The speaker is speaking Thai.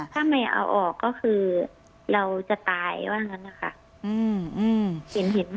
ถ้าไม่เอาออกก็คือเราจะตายว่าอย่างนั้นแหละค่ะ